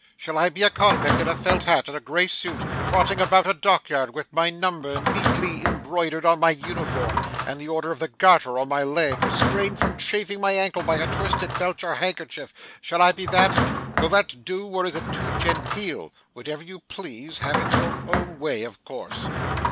Shall I be a convict in a felt hat and a grey suit, trotting about a dockyard with my number neatly embroidered on my uniform, and the order of the garter on my leg, restrained from chafing my ankle by a twisted belcher handkerchief? Shall I be that? Will that do, or is it too genteel? Whatever you please, have it your own way, of course.